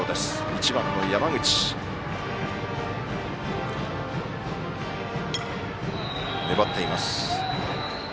１番の山口、粘っています。